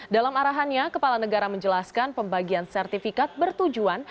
dalam arahannya kepala negara menjelaskan pembagian sertifikat bertujuan